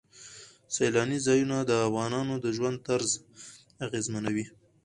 سیلاني ځایونه د افغانانو د ژوند طرز اغېزمنوي.